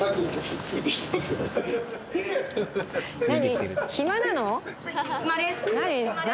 何？